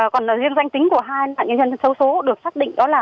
còn riêng danh tính của hai nạn nhân sâu số được xác định đó là